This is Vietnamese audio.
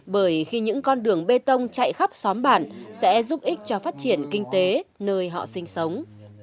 bởi khi những con đường bê tông chạy khắp xóm bản sẽ giúp ích cho phát triển kinh tế nơi họ sinh sống